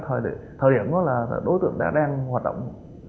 thời điểm đó là đối tượng đang hoạt động